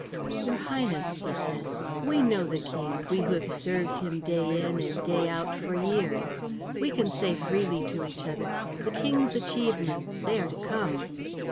"Your Highness," he said, "we know the King, we who have served him day in and day out for years. We can say freely to each other, 'The King's achievements, they are to come.'